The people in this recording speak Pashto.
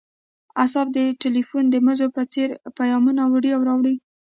اعصاب د ټیلیفون د مزو په څیر پیامونه وړي او راوړي